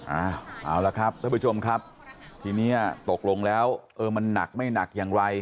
เอาละครับท่านผู้ชมครับทีนี้ตกลงแล้วเออมันหนักไม่หนักอย่างไร